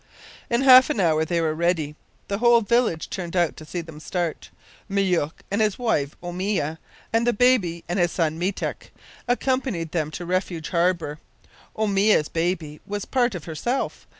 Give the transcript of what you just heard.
In half an hour they were ready. The whole village turned out to see them start. Myouk, with his wife Oomia, and the baby, and his son Meetek, accompanied them to Refuge Harbour. Oomia's baby was part of herself.